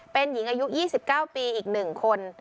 เป็นหญิงอายุ๒๙ปีอีก๑คน